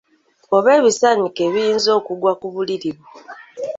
Oba ebisaaniiko ebiyinza okugwa ku buliri bwo.